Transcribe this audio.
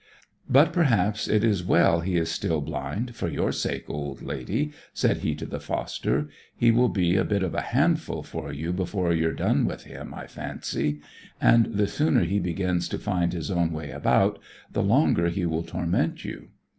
"But perhaps it is well he is still blind, for your sake, old lady," said he to the foster. "He will be a bit of a handful for you before you've done with him, I fancy; and the sooner he begins to find his own way about, the longer he will torment you.